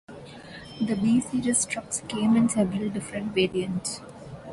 The B Series trucks came in several different variants.